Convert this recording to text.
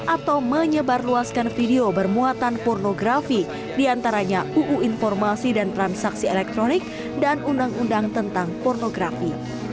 atau menyebarluaskan video bermuatan pornografi diantaranya uu informasi dan transaksi elektronik dan undang undang tentang pornografi